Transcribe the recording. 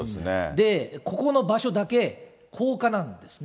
で、ここの場所だけ、高架なんですね。